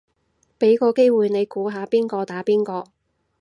俾個機會你估下邊個打邊個